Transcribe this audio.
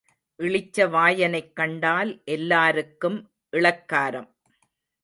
இளிச்ச வாயனைக் கண்டால் எல்லாருக்கும் இளக்காரம்.